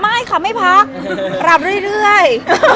ไม่ค่ะไม่พักรับเรื่อย